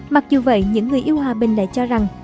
mặc dù vậy những người yêu hòa bình lại cho rằng